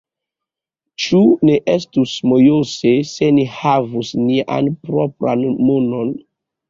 Ĉu ne estus mojose, se ni havus nian propran monon?